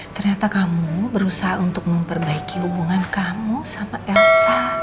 ternyata kamu berusaha untuk memperbaiki hubungan kamu sama elsa